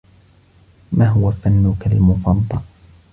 ما هو فنك المفضل؟